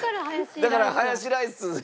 だからハヤシライスは２食。